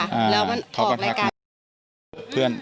แล้วมันออกรายการเรา